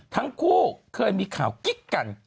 ทั้งคู่เคยมีข่าวกิ๊กกัน